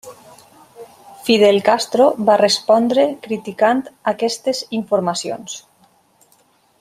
Fidel Castro va respondre criticant aquestes informacions.